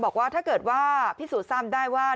บอกว่าถ้าเกิดว่าพิสูจน์ทราบได้ว่า